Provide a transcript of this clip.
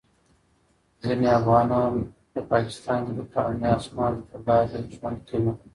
ځینې افغانان په پاکستان کې د قانوني اسنادو له لارې ژوند کوي.